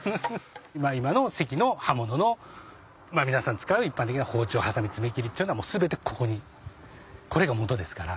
今の関の刃物の皆さん使う一般的な包丁ハサミ爪切りっていうのはもう全てここにこれがもとですから。